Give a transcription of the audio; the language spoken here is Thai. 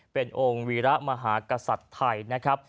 เป็นองค์วิระฐี้มหากษัตริย์ใหม่นะครับ